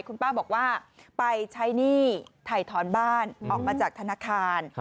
คุณป้าบอกว่าไปใช้หนี้ถ่ายถอนบ้านออกมาจากธนาคาร